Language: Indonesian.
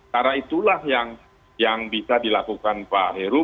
karena itulah yang bisa dilakukan pak heru